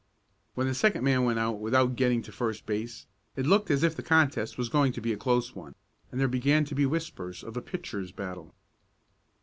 When the second man went out without getting to first base, it looked as if the contest was going to be a close one, and there began to be whispers of a "pitchers' battle."